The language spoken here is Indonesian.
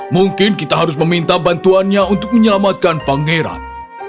mungkin kita harus meminta bantuannya untuk menyelamatkan pangeran